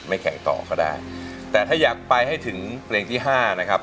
แข่งต่อก็ได้แต่ถ้าอยากไปให้ถึงเพลงที่ห้านะครับ